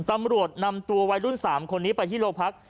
ตำรวจนำตัววัยรุ่น๓คนนี้ไปที่โรงพัก